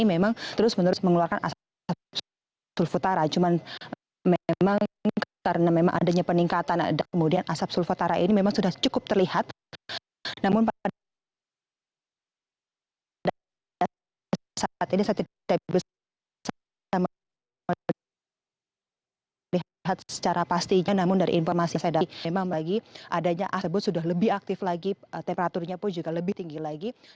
memang lagi adanya asap sulfutura sudah lebih aktif lagi temperaturnya pun juga lebih tinggi lagi